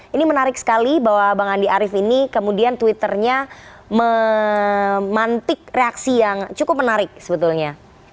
ini menarik sekali bahwa bang andi arief ini kemudian twitternya memantik reaksi yang cukup menarik sebetulnya